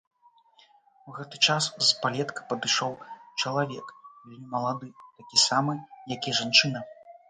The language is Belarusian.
У гэты час з палетка падышоў чалавек, вельмі малады, такі самы, як і жанчына.